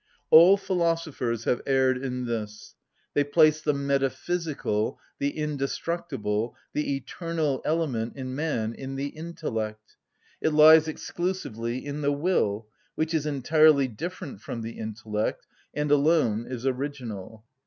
All philosophers have erred in this: they place the metaphysical, the indestructible, the eternal element in man in the intellect. It lies exclusively in the will, which is entirely different from the intellect, and alone is original.